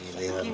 enggak jauh pak